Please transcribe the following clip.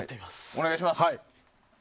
お願いします！